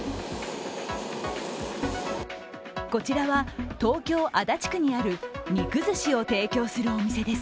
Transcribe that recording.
こちらは東京・足立区にあるり肉ずしを提供するお店です。